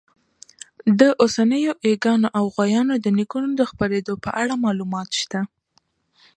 د اوسنیو ییږانو او غویانو د نیکونو د خپرېدو په اړه معلومات شته.